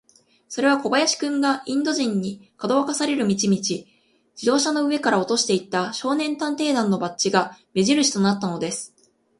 それは小林君が、インド人に、かどわかされる道々、自動車の上から落としていった、少年探偵団のバッジが目じるしとなったのです。